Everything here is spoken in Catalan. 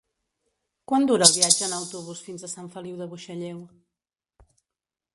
Quant dura el viatge en autobús fins a Sant Feliu de Buixalleu?